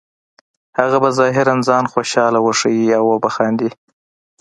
هغه به ظاهراً ځان خوشحاله وښیې او وبه خاندي